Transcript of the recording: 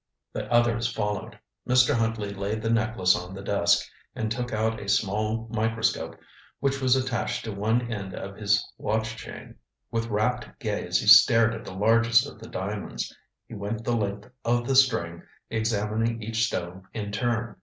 The others followed. Mr. Huntley laid the necklace on the desk, and took out a small microscope which was attached to one end of his watch chain. With rapt gaze he stared at the largest of the diamonds. He went the length of the string, examining each stone in turn.